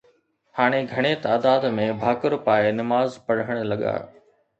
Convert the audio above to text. ھاڻي گھڻي تعداد ۾ ڀاڪر پائي نماز پڙھڻ لڳا